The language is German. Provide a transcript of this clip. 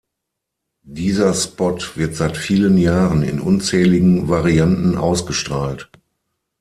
Dieser Spot wird seit vielen Jahren in unzähligen Varianten ausgestrahlt.